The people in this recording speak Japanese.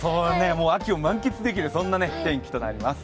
秋を満喫できるそんな天気となりますね。